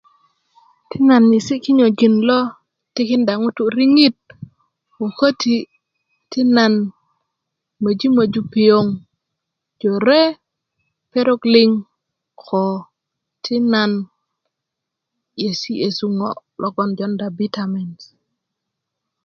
ti nan yesi kinyojin lo tikida ŋutu riŋit wo köti' ti nan möjimöju piyoŋ jore perok liŋ ko ti nan yesiyesu ŋo' lo jonda bitamin